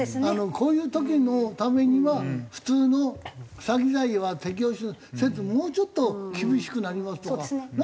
こういう時のためには普通の詐欺罪は適用せずもうちょっと厳しくなりますとかなんかね。